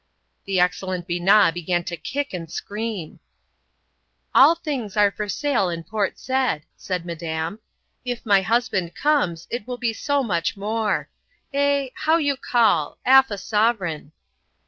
The excellent Binat began to kick and scream. "All things are for sale in Port Said," said Madame. "If my husband comes it will be so much more. Eh, "how you call—'alf a sovereign."